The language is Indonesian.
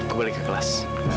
kembali ke kelas